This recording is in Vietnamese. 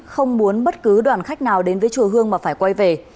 không muốn bất cứ đoàn khách nào đến với chùa hương mà phải quay về